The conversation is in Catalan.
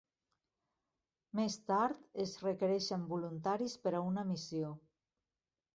Més tard es requereixen voluntaris per a una missió.